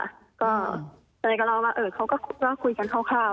แต่เล็กออลเขาก็คุยกันคร่าว